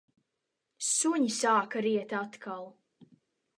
Suņi sāka riet atkal.